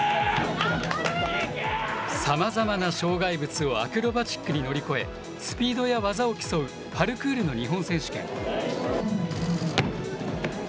さまざまな障害物をアクロバチックに乗り越え、スピードや技を競うパルクールの日本選手権。